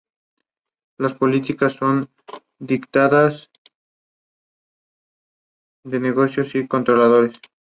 Las políticas son dictadas por los objetivos de negocio y los controladores.